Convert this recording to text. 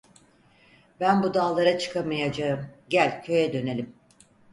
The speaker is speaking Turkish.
Ben bu dağlara çıkamayacağım, gel köye dönelim!